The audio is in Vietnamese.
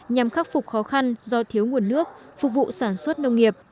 nhằm khắc phục khó khăn do thiếu nguồn nước phục vụ sản xuất nông nghiệp